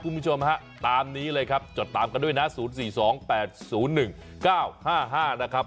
คุณผู้ชมฮะตามนี้เลยครับจดตามกันด้วยนะศูนย์สี่สองแปดศูนย์หนึ่งเก้าห้าห้านะครับ